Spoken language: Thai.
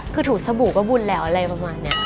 คือถูสบู่ก็บุญแล้วอะไรประมาณนี้